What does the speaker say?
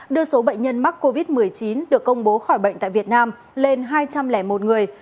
đưa số bệnh nhân mắc covid một mươi chín được công bố khỏi bệnh tại việt nam lên hai trăm linh một người